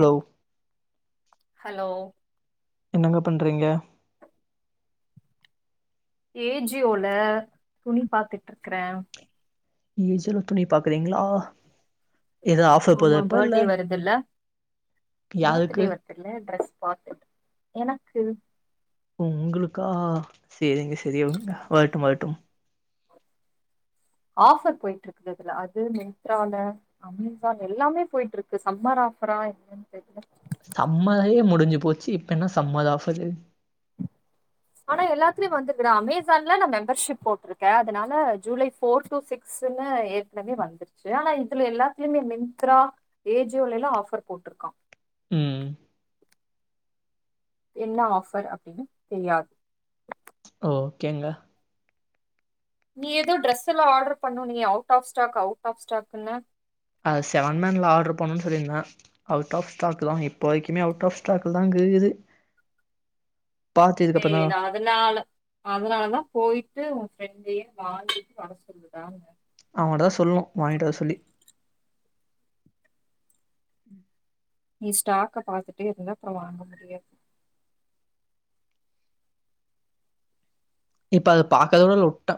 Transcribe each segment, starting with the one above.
Hello hello என்னங்க பண்றீங்க ஏஜியோல துணி பாத்துட்ருக்குறே ஏஜிலோ துணி பாக்குறீங்களா ஏதோ ஆஃபர் ஆமா போதப்ப இல்ல பேட்டே வருதுல்ல யாருக்கு பேர்த்டே வருதுல ட்ரெஸ் பாத்துட் எனக்கு உங்களுக்கா சரிங்க சரிங்க வட்டு வாட்டும் ஆஃபர் போயிட்டு இருக்குது அதுல அது மி்ன்த்ரால அமேசான் எல்லாமே போயிட்டு இருக்கு சம்மர் ஆஃபரா என்னன்னு தெர்ல சம்மதையே முடிஞ்சு போச்சு இப்ப என்ன சம்மதாப்பது ஆனா எல்லாத்லயே வந்துகுரே அமேசான்ல ந மெம்பர்ஷிப் போட்டிருக்கே அதனால ஜூலை ஃபோர் டு சிக்ஸுனு ஏற்கனவே வந்துருச்சு ஆனா இதுல எல்லாத்துலமே மின்த்ரா ஏஜோல லா ஆஃபர் போட்டிருக்கா ம் என்ன ஆஃபர் அப்டின்னு தெரியாது ஓகேங்க நீ ஏதோ ட்ரெஸ்ல்லா ஆடர் பண்னணுநியே out of stock out of ஸ்டாக்ன்னு அது செவன் மேன்ல ஆர்டர் பண்ணும்ன்னனு சொல்லிருந்தே அவுட் ஆஃப் ஸ்டாக் தா இப்போ வரைக்குமே அவுட் ஆப் ஸ்டாக்லதா க்குது சே அதுனால அதுனாலதா போயிட்டு ஃப்ரெண்டயே வாங்கிட்டு வர சொல்லுடான அவங்கிட்ட தா சொல்லும் வாங்கிட் வர சொல்லி நீ ஸ்டாக்க பாத்துட்டு இருந்தா அப்புற வாங்க முடியாது இப்ப அத பாக்கரது கூட இல்ல உட்டே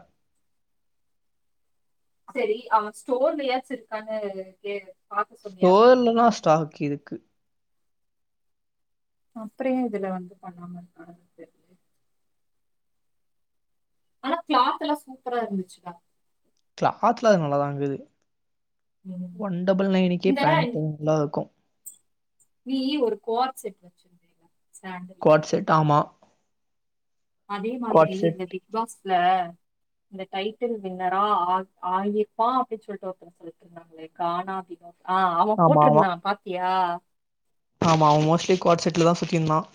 சரி அவே ஸ்டோர்லயாச்சு இருக்கானு கேளு ஸ்டோர்லலா ஸ்டாக் இருக் கு அப்பற ஏ இதுல வந்து பண்ணாம இருக்கான்னு தெரிலயே ஆனா கிளாத் எல்லா சூப்பரா இருந்துச்சு டா கிளாத்லா அது நல்லாதாங் இருக் ம். ஒன் டபுள் நையனுக்கே இந்த பேண்ட் இங் லாருக்கும் நீ ஒரு கோ ஆப் செட் வச்சுருந்தீல குவாட் செட் ஆமா அதே குவாட் மாதிரி செட் இந்த பிக் பாஸ் அதுல டைட்டில் வினரா ஆகி ஆகிருப்பான் அப்டின்னு சொல்லிட்டு ஒருத்த சொல்லிட்டு இருந்தாங்களே கானா வினோ ஆ அவன் ஆமா ஆமா போட்டிருந்தான் பாத்தியா [unintelligible] ஆமா அவன் மோஸ்ட்லி கோட் செட்ல தான் சுத்திருந்தான்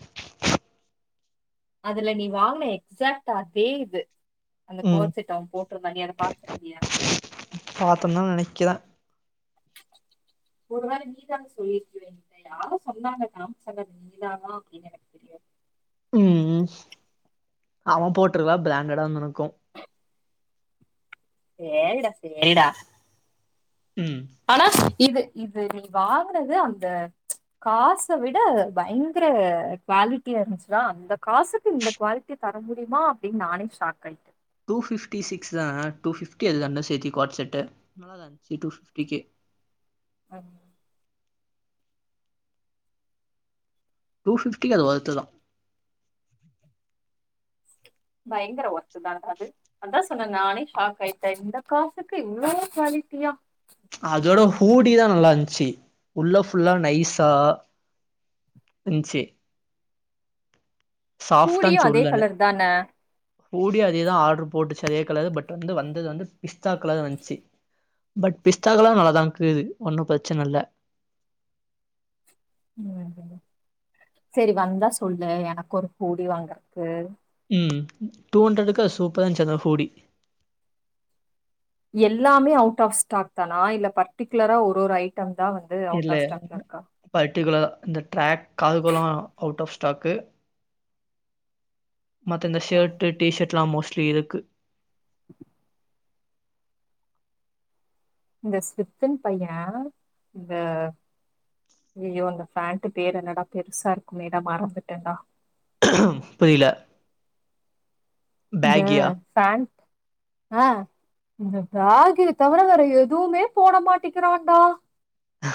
அதுல நீ வாங்ன எக்ஸாக்ட் அதே இது அந்த ம் கோர் செட் அவன் போட்டிருந்தான் நீ அத பாத்து இருந்தியா பாத்தோம்னா நினைக்கிறேன் ஒரு வேளை நீதா சொல்லிருக்க ஏகிட்ட யாரோ சொன்னாங்க காம்சாங்க அது நீ தானா அப்டின் எனக்கு தெரியாது ம் அவன் போட்ருக்கலாம் பிரண்டடா வந்து எனக்கும் சேரிடா சேரிடா ம் அனாஸ் இது இது நீ வாங்கினது அந்த காச விட பயங்கர குவாலிட்டியா இருந்துச்சுரா அந்த காசுக்கு இந்த குவாலிட்டி தர முடியுமா அப்டின் நானே ஷாக் ஆயிட்டேன் டூ பிப்டி சிக்ஸ் தான் டூ பிப்டி அதுல ரெண்ட சேத்தி கோட் செட்டு ம் நல்லா தான் இருந்துச்சு டூ பிப்டிக்கு ஆமா டூ பிப்டிக்கு அது வெர்த்துதான் பயங்கர ஒர்த்துதான்டா அது அதா சொன்னேன் நானே ஷாக்காயிட்டேன் இந்த காசுக்கு இவ்ளோ குவாலிட்டியா பூடிதான் நல்லாருந்துச்சு உள்ளே ஃபுல்லா நைஸா இன்சு சாப்டா இருன்சு கூடியும் அதே உள்ளர கலர் தானே ஊடி அதேதான் ஆடுரு போட்டு சரியா கலர் பட் வந்து வந்தது வந்து பிஸ்தா கலர் வந்துச்சு பட் பிஸ்தா கலர் நல்லாதான் கீது ஒன்னம் பிரச்சனை இல்ல ம் சரி வந்தா சொல்லு எனக்கு ஒரு பூடி வாங்கறக்கு ம் டூ ஹண்ட்ரடுக்கு சூப்பராஞ் அந்த ஹூடி எல்லாமே அவுட் ஆஃப் ஸ்டாக் தானா இல்ல பட்டிகுலரா ஒரு ஒரு ஐட்டம் இதா வந்து அவுட் இதுல ஆஃப் ஸ்டாக்ல இருக்கா இந்த ட் ராக் ஆதுகலா அவுட் ஆஃப் ஸ்டாக்கு மத்த இந்த ஆ. ஷட் டீ ஷட் எல்லா மோஸ்ட் இருக்கு உ இந்த சித்தின் பைய ஆ ஐயோ இந்த பேஃண்ட்டு பேரு என்னடா பெருசா இருக்குமேடா மறந்துட்டேன்டா புரியல இந்த பேக்கியா? பேண்ட் அ இந்த பேகிய தவிர வேற எதுவுமே போட மாட்டிக்கிறாக்கா ஹ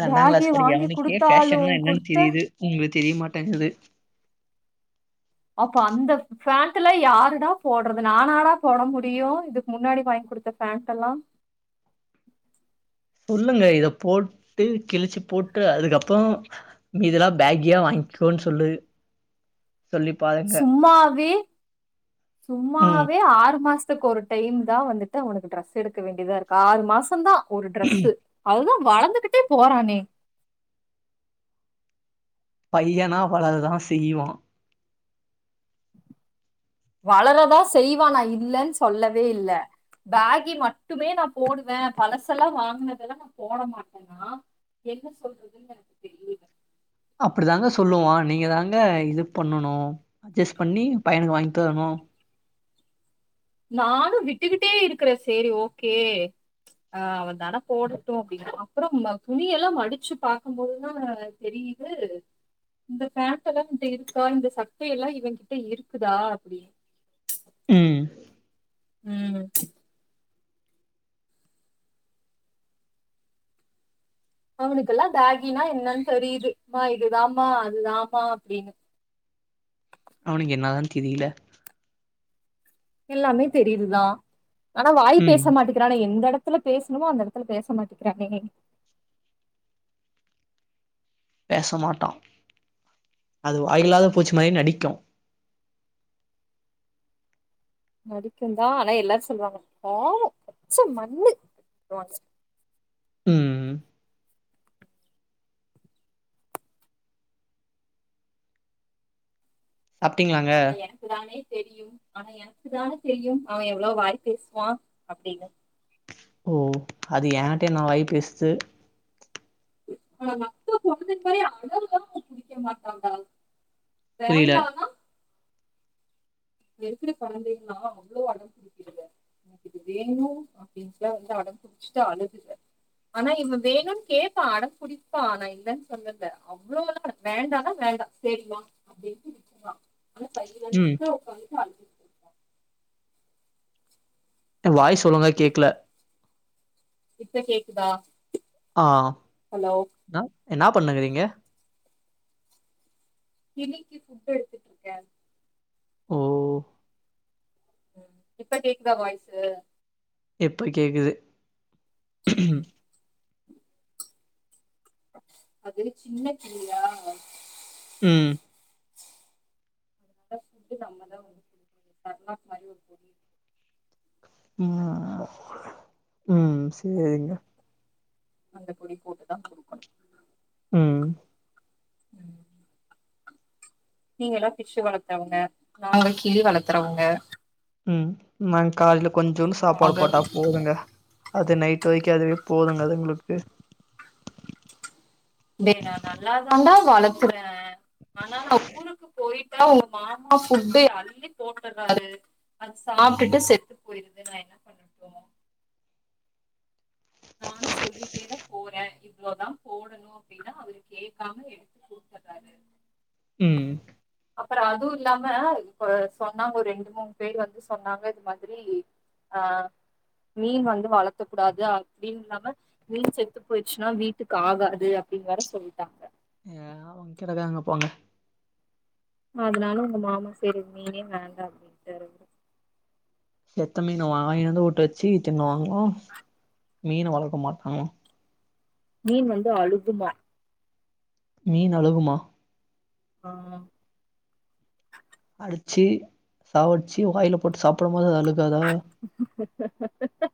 ரெண்டா பேகே கிளாஸ் படிக்குற வாங்கி அவனுக்கே பேஷன்லா குடுத்தாலும் என்னன்னு குடுத்த தெரியுது உங்களுக் தெரியமாட்டேங்குது அப்போ அந்த ஃபேண்ட்டு எல்லா யாருடா போடுறது நானடா போட முடியு இதுக்கு முன்னாடி வாங்கி குடுத்த ஃபேண்ட்டு எல்லா சொல்லுங்க இத போட்டு கிழிச்சு போட்டு அதுக்கப்புறோ மீதி எல்லா பேகியா வாங்கிக்கோன்னு சொல்லு சொல்லி பாருங்க. சும்மாவே ம். சும்மாவே ஆறு மாசம் க்கு ஒரு டைம் தா வந்துட்டு அவனுக்கு ட்ரெஸ் எடுக்க வேண்டியதா இருக்கு ஆறு மாசந்தா ஒரு ட்ரெஸ்ஸு அதுதா வளந்துகிட்டே போறானே பையனா வளரதா செய்வா வளரதா செய்வா நா இல்லன்னு சொல்லவே இல்ல பேகி மட்டுமே நா போடுவே பழசெல்லா வாங்கினதெல்லா நா போட மாட்டேன்னா என்ன சொல்றதுன்னு எனக்கு தெரியல அப்டி தாங்க சொல்லுவா நீங்க தாங்க இது பண்ணணு அட்ஜஸ்ட் பண்ணி பையனுக்கு வாங்கிதரணு நானு விட்டுக்கிட்டே இருக்கிறே செரி ஓகே அ அவ தான போடட்டு அப்டின்ன அப்புறோ துணியெல்லா மடிச்சு பாக்கும்போதுதா தெரியுது இந்த பேண்ட் எல்லா இவங்கிட்ட இருக்குதா இந்த சட்ட எல்லா இவங்கிட்ட இருக்குதா அப்டின்னு ம் உம் அவனுக்கெல்லா பேகினா என்னான்னு தெரியுது மா இதுதாம்மா அதுதாம்மா அப்டின்னு அவனுக்கு என்னாதா தெரியல எல்லாமே தெரியுதுதா ஆனா வாய் பேச ம் மாட்டேக்கிறானே எந்த இடத்து எந்த எடத்துல பேசணுமோ அந்த எடத்துல பேச மாட்டிக்கிறானே பேச மாட்டா அது வாயில்லாத பூச்சி மாரி நடிக்கு நடிக்குந்தா ஆனா எல்லாரு சொல்லுவாங்க பாவ ஆ பச்ச மண்ணு ம் அப்ட்டீங்களாங்க தெரியு ஆனா எனக்கு தானே தெரியு அவ எவ்வளவு வாய் பேசுவா அப்டின்னு ஓ அது என்கிட்டயே என்னா வாய் பேசுது [unintelligible] புரியல வேண்டானா இங்க இருக்குற கொழந்தைங்கல்லா அவ்வளவு அடம்புடிச்சு எனக்கு இது வேணு அப்டின்னுட்டுதா வந்து அடம்புடிச்சுட்டு அழுகுக ஆனா இவ வேணும்னு கேப்பா அடம் புடிப்பா நா இல்லன்னு சொல்லல அவ்வளோல்லா வேண்டானா வேண்டா சேரி வா அப்டின்ட்டு விட்ருவா ம் [unintelligible] [unintelligible] ட்டு வாய்ஸ் ஒழுங்கா கேக்கல இப்ப கேக்குதா ஆ ஹலோ அ என்னா பண்ணுங்கிறீங்க கிளிக்கு ஃபுட் எடுத்துட்டு இருக்கே ஓ இப்ப கேக்குதா வாய்ஸு எப்ப கேக்குது உம் அது சின்ன கிளியா ம் அத ஃபுட்டு நம்மதா குடுக்கணு சரலாக் மாரி ஒரு பொடி இருக் ம் அ ம் சேரிங்க அந்த பொடி போட்டுதா குடுக்கணு ம் நீங்க எல்லா பிஷ் வளர்த்தறவங்க நாங்கல்லா கிளி வளர்த்தறவங்க ம் நாங் கால்ல கொஞ்சுன்டு சாப்பாடு ஆக போட்டா போதுங்க அது நைட் வரைக்கு அதுவே போதுங்க அதுங்களுக்கு டே நா நல்லா தாண்டா வளக்குறே ஆனா நா ஊருக்கு போயி ங்க உங்க மாமா ஃபுட்டு அள்ளி போட்டறாரு அது சாப்பிட்டுட்டு செத்து போயிருது நா என்ன பண்ணட்டோ நானு சொல்லிட்டேதா போறே இவ்ளோதா போடணு அப்பிடின்னா அவரு கேக்காம எடுத்து போட்டர்றாரு ம் ப்பற அதுவு இல்லாம இப்ப சொன்னா ஒரு ரெண்டு மூணு பேர் வந்து சொன்னாங்க இது மாரி ஆ மீன் வந்து வளத்தக் கூடாது ப்பிடின் இல்லாம மீன் செத்து போயிர்ச்சின்னா வீட்க்கு ஆகாது அப்பிடின் வேற சொல்லிட்டாங்க ஆவுங் கிரதாங்க போங்க அதனால உங்க மாமா சேரி மீனே வேண்டா அப்பிடின்டாரு செத்த மீனை வாங்கினுவந்து ஒட்ட வச்சி தின்னுவாங்களா மீன வளக்கமாட்டங்க மீன் வந்து அழுகுமா மீன் அழுகுமா ஆ அடிச்சி சாவடிச்சி வாயில போட்டு சாப்பிடும் போது அது அழு அஹ ஹ ஹ ஹ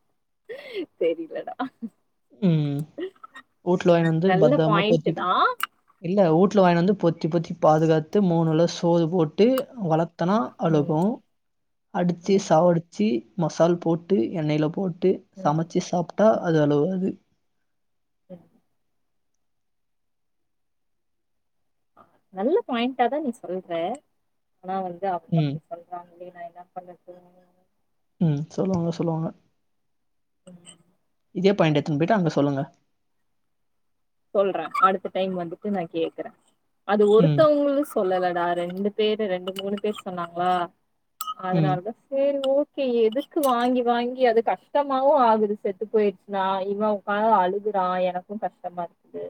தெரியலடா ம் ஊட்ல வாயின் வந்து நல்ல பத்துரமா பாயிண்ட்டு பொத்தி தா இல்ல ஊட்ல வாயின் வந்து பொத் தி பொத்தி பாதுகாத்து மூணுல சோறு போட்டு வளத் தனா ம் அழுகு அடித்து ம் சாவடு ச்சி மசால் போட்டு எண்ணெய்ல போட் டு ம் சமச்சு சாப்ட்டா ம் அது அழுவாது ம் நல்ல பாயின்ட்டாதா நீ சொல்ற ஆனா வந்து அவுங்க ம் அப்டி சொல்றாங்ளே நா என்னாப் பண்ணட்டு ம் சொல்வாங்க சொல்வாங்க உப்பா இதே பாயிண்ட்ட எத்துன் போயிட்டு அங்க சொல்லுங்க சொல்றே அடுத்த டைம் வந்துட்டு நா கேக்குறே அது ம் ஒருத்தவ்ங்களு சொல்லல டா ரெண்டு பேரு ரெண்டு மூணு பேரு சொன்னாங்ளா ம் அதனால்தா சேரி ஓ கே எதுக்கு வாங்கி வாங்கி அது கஷ்டமாவு‌ ஆகுது செத்து போயிருச்சுனா இவ உக்காந்து அழுகுறா எனக்கு கஷ்டமாரு க்கு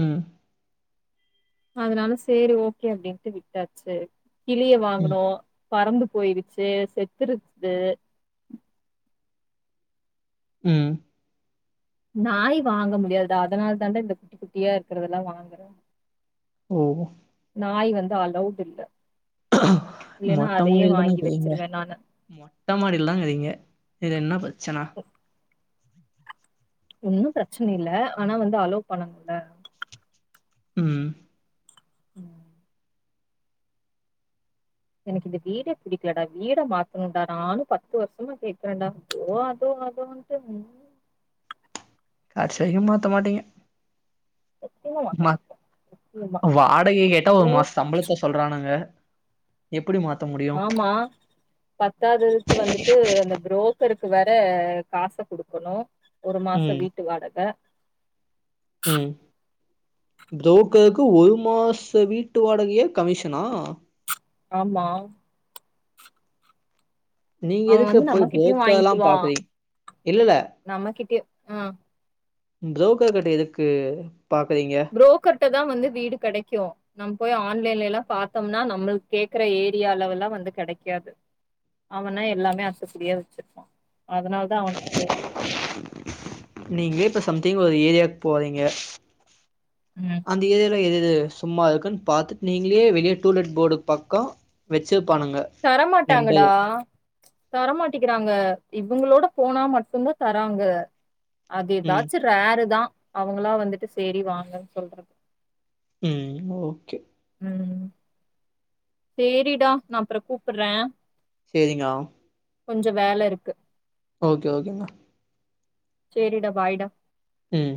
ம் அதுனால சேரி ஓகே அப்டின்ட்டு விட்டாச்சு கிளிய ம் வாங்குனோ பறந்து போயிருச்சு செத்துருச்சு ம் நாய் வாங்க முடியாது டா அதனால் தான்டா இந்த குட்டி குட்டியா இருக்குறதெல்லா வாங்குறே ஓ நாய் வந்து அலௌடில்ல மொட்ட மாடியில்தானா இக்குறீங்க மொட்ட மாடியில் தாங்குறீங்க இதுல என்ன பிரச்சன ஒன்னு பிரச்சன இல்ல ஆனா வந்து அலோ பண்ணனுல்ல ம் ம் எனக்கு இந்த வீட பிடிக்கலடா வீட மாத்தணுன்டா நானு பத்து வர்சமா கேக்குறேன்டா தோ அதோ அதோ அதோ ம் கட்சி வரைக்கும் மாத்த மாட்டீங்க நிச்சயமா ம மாத்தனு நிச்சயமா வாடகை கேட்டா ஒரு ஓ மாச சம்பளத்த சொல்றானுங்க எப்டி மாத்த முடியு ஆமா பத்தாதுக்கு வந்துட்டு அந்த புரோக் இவருக்கு வேற காச குடுக்கணு ஒரு மாச ம் வீட்டு வாடக ம் புரோக்கருக்கு ஒரு மாச வீட்டு வாடகையே கமிஷனா ஆமா நீங்க அவ எதுக்கு வந்து போய் நம்மகிட்டயு புரோக்கர்லா வாங்கிக்குவா பாக்குறீங்க ச் இல்ல இல்ல நம்மகிட்டயு அ புரோக்கர் கிட்ட எதுக்கு பாக்குறீங்க புரோக்கர்ட்ட தா வந்து வீடு கெடைக்கு நம் போய் ஆன்லைன்ல எல்லா பாத்தோம்னா நம்மளுக் கேக்குற ஏரியாவுல்லால வந்து கெடைக்காது அவனா எல்லாமே அத்துப்படியா வச்சுருப்பா அதனால தா அவ ட போரது நீங்களே இப்ப சம்திங் ஒரு ஏரியாக்கு போறீங்க ம். அந்த ஏரியா எது சும்மா இருக்குன்னு பாத்தட்டு நீங்களே வெளிய டூலெட் போடு பக்க வச்சப் தரமாட்டாங்கடா தரமாட்டிக்கிறாங்க இவங்களோட போனா மட்டுதா தராங்க அது ம் ஏதாச்சு ரேரு தா அவங்களா வந்துட்டு சேரி வாங்கன்னு சொல்றது ம் ஓகே சேரிடா நா அப்ற கூப்பறே சேரிங்கவ் கொஞ்ச வேல இருக்கு ஓகே ஓகேங்கா சேரிடா பாய்டா சேரி